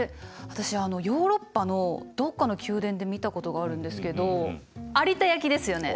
私あのヨーロッパのどっかの宮殿で見たことがあるんですけど有田焼ですよね！